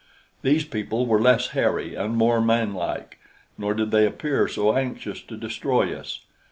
These people were less hairy and more man like; nor did they appear so anxious to destroy us.